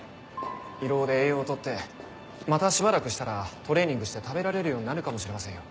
胃ろうで栄養を取ってまたしばらくしたらトレーニングして食べられるようになるかもしれませんよ。